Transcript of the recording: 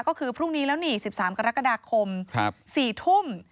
ก็คือพรุ่งนี้แล้วนี่๑๓กรกฎาคม๔ทุ่ม